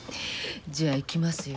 じゃあいきますよ。